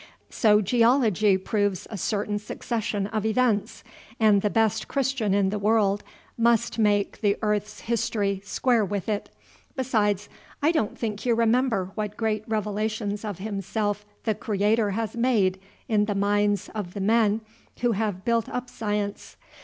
So Geology proves a certain succession of events, and the best Christian in the world must make the earth's history square with it. Besides, I don't think you remember what great revelations of himself the Creator has made in the minds of the men who have built up science.